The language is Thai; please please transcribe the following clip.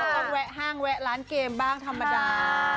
ต้องแวะห้างแวะร้านเกมบ้างธรรมดา